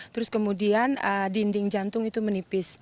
terus kemudian dinding jantung itu menipis